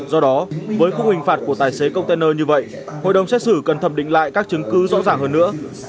do đó với khung hình phạt của tài xế container như vậy hội đồng xét xử cần thẩm định lại các chứng cứ rõ ràng hơn nữa